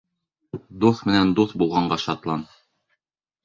Дуҫ менән дуҫ булғанға шатлан